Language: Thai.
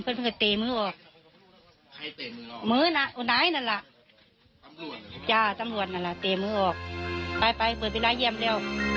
ไปเรียกสร้างบ้าตายก็ดี